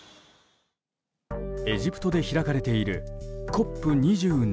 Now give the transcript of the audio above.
エジプトで開かれているＣＯＰ２７。